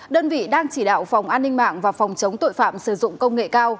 đơn vị đang chỉ đạo phòng an ninh mạng và phòng chống tội phạm sử dụng công nghệ cao